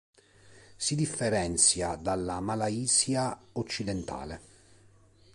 Si differenzia dalla Malaysia Occidentale.